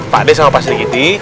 pak de sama pak stigiti